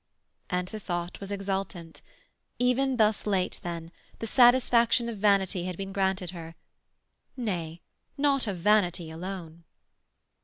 And the thought was exultant. Even thus late, then, the satisfaction of vanity had been granted her—nay, not of vanity alone.